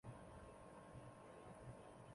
在中国菜里也有一种类似的叫做醪糟的甜品。